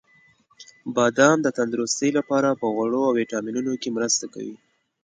• بادام د تندرستۍ لپاره په غوړو او ویټامینونو کې مرسته کوي.